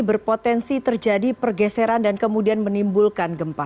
berpotensi terjadi pergeseran dan kemudian menimbulkan gempa